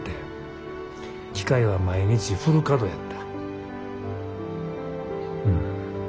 機械は毎日フル稼働やった。